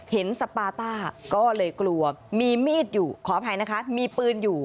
สปาต้าก็เลยกลัวมีมีดอยู่ขออภัยนะคะมีปืนอยู่